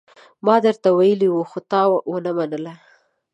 ما درته ويلي وو، خو تا ونه منله.